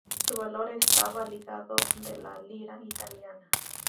Su valor estaba ligado al de la lira italiana.